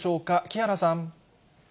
木原さん。